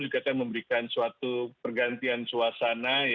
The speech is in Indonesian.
dikatakan memberikan suatu pergantian suasana